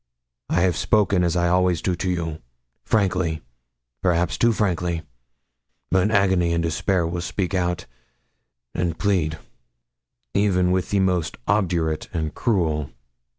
I have spoken, as I always do to you, frankly, perhaps too frankly; but agony and despair will speak out, and plead, even with the most obdurate and cruel.'